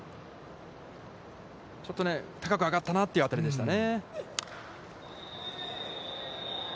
ちょっと高く上がったなという当たりでしたね。